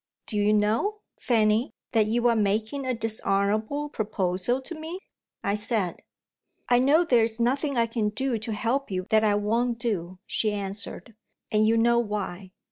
"Do you know, Fanny, that you are making a dishonourable proposal to me?" I said. "I know there's nothing I can do to help you that I won't do," she answered; "and you know why.